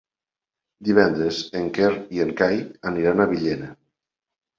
Divendres en Quer i en Cai aniran a Villena.